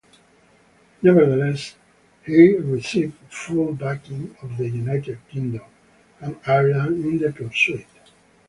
Nevertheless, he received full backing of the United Kingdom and Ireland in the pursuit.